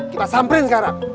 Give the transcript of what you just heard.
kita samperin sekarang